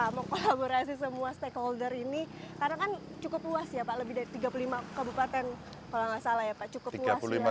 karena kan cukup luas ya pak lebih dari tiga puluh lima kabupaten kalau nggak salah ya pak cukup luas ya